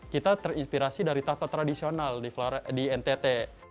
kita terinspirasi dari tata tradisional di ntt